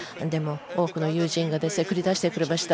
多くの友人が繰り出してくれました。